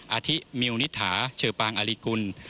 อาทิมิวนิถาเชอปางอลิกุล